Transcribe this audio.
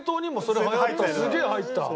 すげえ入った。